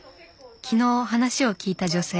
昨日話を聞いた女性。